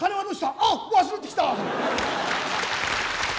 あっ忘れてきた！